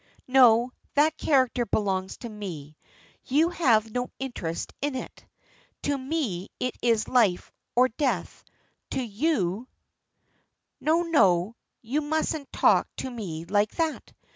"No, that character belongs to me. You have no interest in it. To me it is life or death to you " "No, no, you mustn't talk to me like that.